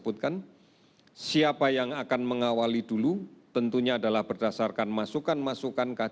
voor de dristu bela mengenalitya kesehatan dalam masyarakat